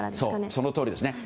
そのとおりですね。